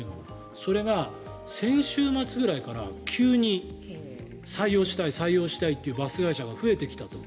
それが先週末ぐらいから急に、採用したい採用したいっていうバス会社が増えてきたと。